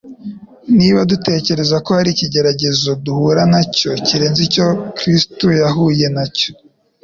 Niba dutekereza ko hari ikigeragezo duhura na cyo kirenze icyo Kristo yahuye na cyo,